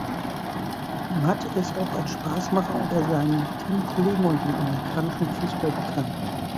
Matt ist auch als Spaßmacher unter seinen Teamkollegen und dem amerikanischen Fußball bekannt.